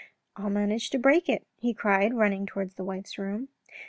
" I'll manage to break it," he cried, running towards his wife's room.